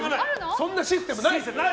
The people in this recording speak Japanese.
そんなシステムない。